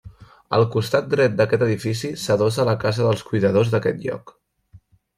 Al costat dret d'aquest edifici s'adossa la casa dels cuidadors d'aquest lloc.